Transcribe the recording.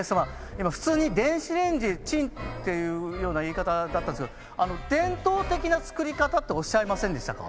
今普通に電子レンジでチンっていうような言い方だったんですけど伝統的な作り方っておっしゃいませんでしたか？